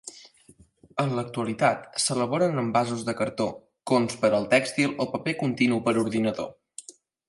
En l'actualitat s'elaboren envasos de cartó, cons per al tèxtil o paper continu per ordinador.